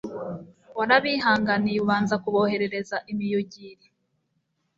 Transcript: warabihanganiye ubanza kuboherereza imiyugiri